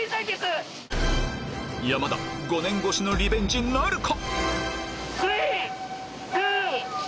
山田５年越しのリベンジなるか⁉